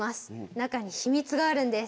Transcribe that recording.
中に秘密があるんです。